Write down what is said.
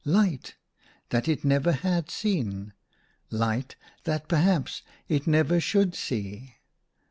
Light — that it never had seen. Light — that perhaps it never should see.